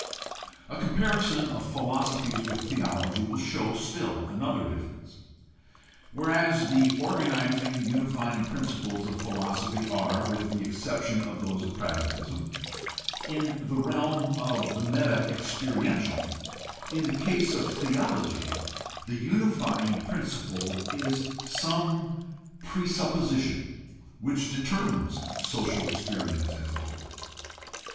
A comparison of philosophies with theology will show still another difference. Whereas the organizing, unifying prin ciples of philosophy are, with the exception of those of prag matism, in the realm of the meta experiential, in the case of theology the unifying principle is some presupposition which determines social experience as a whole.